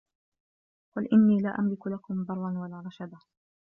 قُل إِنّي لا أَملِكُ لَكُم ضَرًّا وَلا رَشَدًا